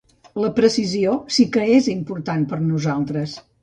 La precisió sí que és important per a nosaltres.